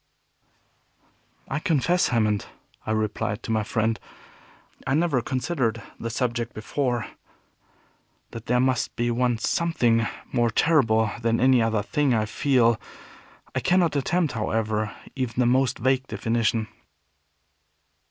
"I confess, Hammond," I replied to my friend, "I never considered the subject before. That there must be one Something more terrible than any other thing, I feel. I cannot attempt, however, even the most vague definition."